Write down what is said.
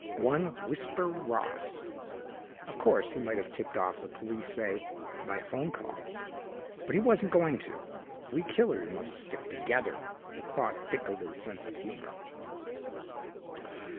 One Whisper Ross. Of course, he might have tipped off the police say, by a phone call. But he wasn't going to. "We killers must stick together." The thought tickled his sense of humor.